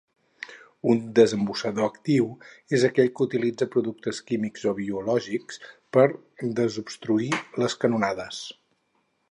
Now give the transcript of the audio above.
Un desembussador actiu és aquell que utilitza productes químics o biològics per desobstruir les canonades.